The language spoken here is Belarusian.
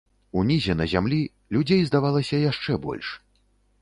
Унізе, на зямлі, людзей здавалася яшчэ больш.